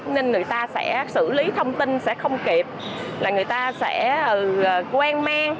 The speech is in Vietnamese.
nên người ta sẽ xử lý thông tin sẽ không kịp là người ta sẽ quen mang